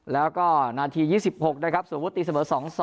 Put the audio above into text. แล้วก็นาที๒๖ได้ครับสวทธิ์ตีเสมอ๒๒